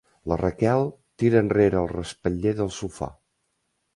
La Raquel tira enrere el respatller del sofà.